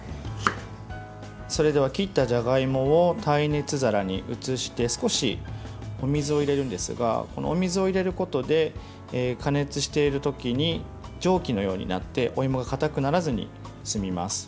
それでは、切ったじゃがいもを耐熱皿に移して少しお水を入れるんですがお水を入れることで加熱しているときに蒸気のようになってお芋がかたくならずに済みます。